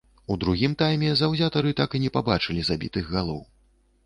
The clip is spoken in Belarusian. У другім тайме заўзятары так і не пабачылі забітых галоў.